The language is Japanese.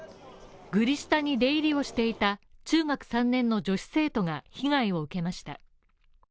グリ下に出入りをしていた中学３年の女子生徒が被害を受けました。